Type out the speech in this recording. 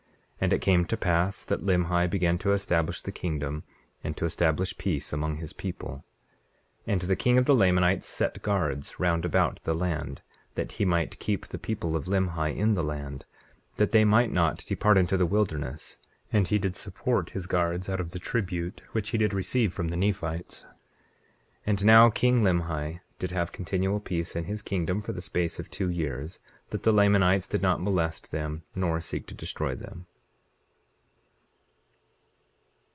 19:27 And it came to pass that Limhi began to establish the kingdom and to establish peace among his people. 19:28 And the king of the Lamanites set guards round about the land, that he might keep the people of Limhi in the land, that they might not depart into the wilderness; and he did support his guards out of the tribute which he did receive from the Nephites. 19:29 And now king Limhi did have continual peace in his kingdom for the space of two years, that the Lamanites did not molest them nor seek to destroy them.